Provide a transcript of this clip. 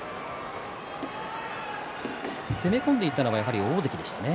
攻め込んでいったのは大関でしたね。